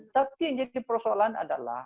tapi yang jadi persoalan adalah